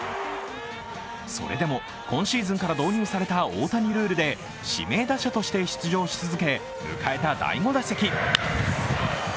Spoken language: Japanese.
それでも、今シーズンから導入された大谷ルールで指名打者として出場し続け迎えた第５打席。